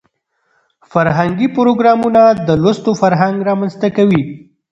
فرهنګي پروګرامونه د لوستلو فرهنګ رامنځته کوي.